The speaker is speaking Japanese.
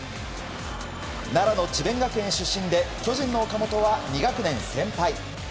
奈良の智弁学園出身で巨人の岡本は２学年先輩。